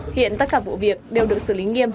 hiện tất cả vụ việc đều được xử lý nghiêm